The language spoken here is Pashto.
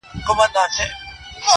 • او ښه په ډاگه درته وايمه چي.